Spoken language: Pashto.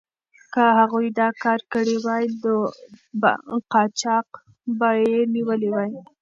که هغوی دا کار کړی وای، نو قاچاق به یې نیولی وای.